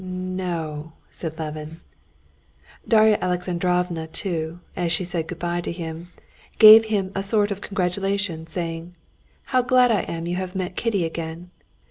"N n no!" said Levin. Darya Alexandrovna too, as she said good bye to him, gave him a sort of congratulation, saying, "How glad I am you have met Kitty again!